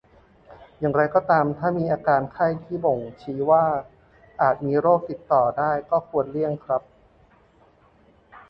อย่างไรก็ตามถ้ามีอาการไข้ที่บ่งชี้ว่าอาจมีโรคติดต่อได้ก็ควรเลี่ยงครับ